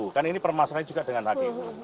kan ini permasalahan juga dengan hgu